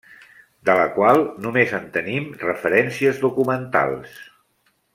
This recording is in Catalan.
De la qual només en tenim referències documentals.